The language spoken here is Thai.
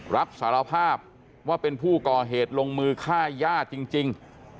รับสารภาพว่าเป็นผู้ก่อเหตุลงมือฆ่าย่าจริง